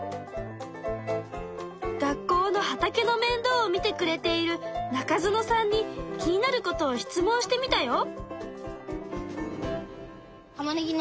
学校の畑の面倒を見てくれている中園さんに気になることを質問してみたよ。